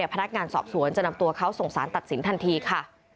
พนักงานสอบสวนจะนำตัวเขาส่งสารตัดสินทันทีค่ะ